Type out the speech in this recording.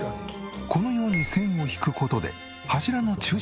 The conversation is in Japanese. このように線を引く事で柱の中心を割り出し。